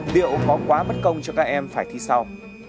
liệu có quá bất công cho các em phải thi sau